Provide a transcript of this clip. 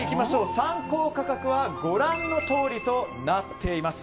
参考価格はご覧のとおりとなっています。